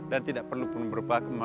dan tidak perlu mendapatkan pujian